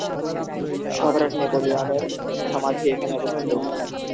সম্রাট নেপোলিয়নের সমাধি এখানে অবস্থিত।